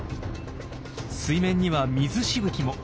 水面には水しぶきも。